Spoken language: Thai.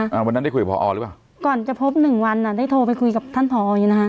วันนั้นได้คุยกับพอหรือเปล่าก่อนจะพบหนึ่งวันอ่ะได้โทรไปคุยกับท่านผออย่างงี้นะคะ